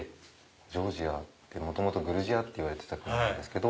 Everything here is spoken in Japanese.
ジョージアって元々グルジアといわれてた国なんですけど。